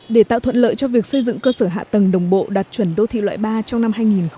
để tạo thuận lợi cho việc xây dựng cơ sở hạ tầng đồng bộ đạt chuẩn đô thị loại ba trong năm hai nghìn hai mươi